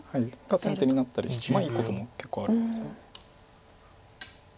先手になったりしていいことも結構あるんです。